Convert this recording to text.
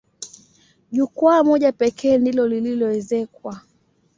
Jukwaa moja pekee ndilo lililoezekwa.